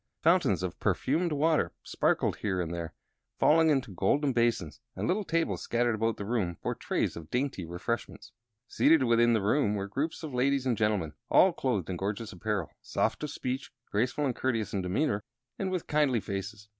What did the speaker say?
Fountains of perfumed waters sparkled here and there, falling into golden basins; and little tables scattered about the room bore trays of dainty refreshments. Seated within the room were groups of ladies and gentlemen, all clothed in gorgeous apparel, soft of speech, graceful and courteous in demeanor, and with kindly faces.